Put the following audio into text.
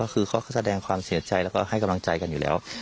ก็คือเขาก็แสดงความเสียใจแล้วก็ให้กำลังใจกันอยู่แล้ว